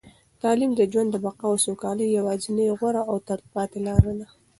تعلیم د ژوند د بقا او سوکالۍ یوازینۍ، غوره او تلپاتې لاره ده.